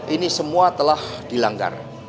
ini semua telah dilanggar